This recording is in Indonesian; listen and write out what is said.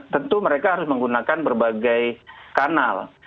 tentu mereka harus menggunakan berbagai kanal